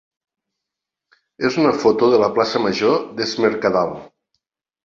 és una foto de la plaça major d'Es Mercadal.